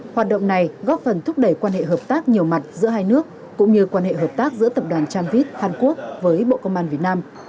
hoạt động này góp phần thúc đẩy quan hệ hợp tác nhiều mặt giữa hai nước cũng như quan hệ hợp tác giữa tập đoàn tramvit hàn quốc với bộ công an việt nam